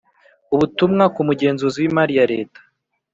Ubutumwa kumugenzuzi wimari yareta